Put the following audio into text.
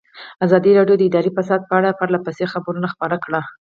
ازادي راډیو د اداري فساد په اړه پرله پسې خبرونه خپاره کړي.